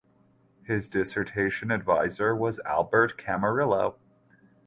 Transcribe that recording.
His dissertation adviser was Albert Camarillo.